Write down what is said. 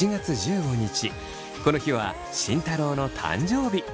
この日は慎太郎の誕生日。